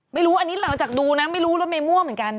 ไม่รู้อันนี้หลังจากดูนะไม่รู้รถเมยมั่วเหมือนกัน